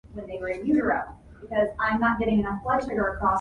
The flowers produce nectar in a chamber at the base of the floral tube.